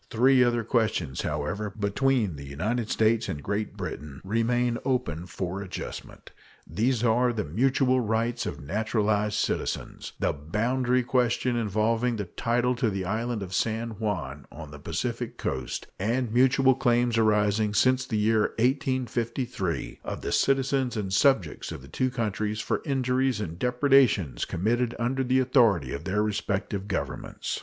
Three other questions, however, between the United States and Great Britain remain open for adjustment. These are the mutual rights of naturalized citizens, the boundary question involving the title to the island of San Juan, on the Pacific coast, and mutual claims arising since the year 1853 of the citizens and subjects of the two countries for injuries and depredations committed under the authority of their respective Governments.